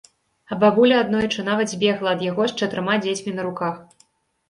А бабуля аднойчы нават збегла ад яго з чатырма дзецьмі на руках.